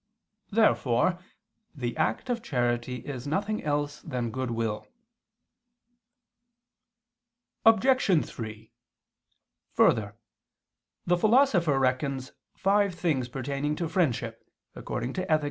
Therefore the act of charity is nothing else than goodwill. Obj. 3: Further, the Philosopher reckons five things pertaining to friendship (Ethic.